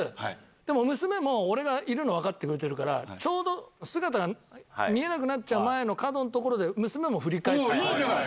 でも娘も俺がいるの分かってくれてるからちょうど姿が見えなくなっちゃう角の所で。